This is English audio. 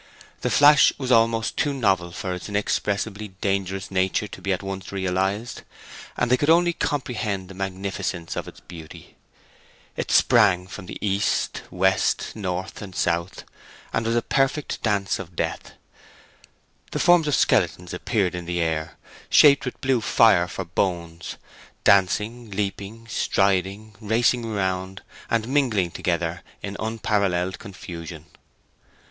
The flash was almost too novel for its inexpressibly dangerous nature to be at once realized, and they could only comprehend the magnificence of its beauty. It sprang from east, west, north, south, and was a perfect dance of death. The forms of skeletons appeared in the air, shaped with blue fire for bones—dancing, leaping, striding, racing around, and mingling altogether in unparalleled confusion.